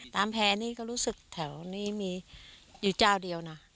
แพร่นี่ก็รู้สึกแถวนี้มีอยู่เจ้าเดียวนะ